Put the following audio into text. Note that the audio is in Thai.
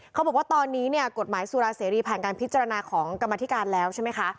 เขาบอกว่าตอนนี้เนี่ยกฎหมายสุราเสรีผ่านการพิจารณาของกรรมธิการแล้วใช่ไหมคะ